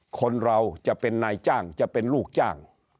คนเราจะเป็นนายจ้างจะเป็นลูกจ้าง